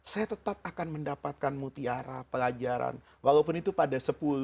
saya tetap akan mendapatkan mutiara pelajaran walaupun itu pada sepuluh